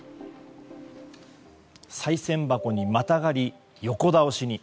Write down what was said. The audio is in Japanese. さい銭箱にまたがり横倒しに。